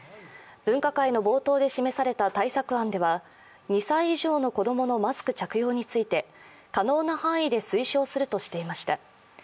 分科会の冒頭で示された対策案では２歳以上の子供のマスク着用について可能な範囲で推奨するとしていました。